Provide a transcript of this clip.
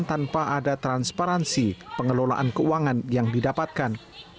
tanpa ada transparansi pengelolaan keuangan yang didapatkan